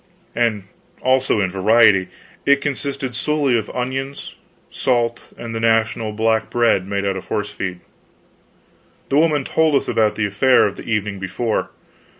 And also in variety; it consisted solely of onions, salt, and the national black bread made out of horse feed. The woman told us about the affair of the evening before.